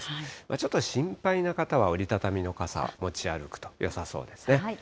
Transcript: ちょっと心配な方は、折り畳みの傘、持ち歩くとよさそうですね。